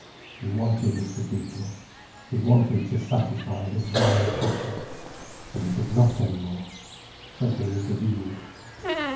He wanted his cathedral; he wanted to satisfy his blind passion. And he could not any more. Something intervened.